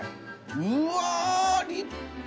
うわ立派！